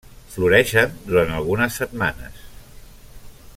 Floreixen durant algunes setmanes.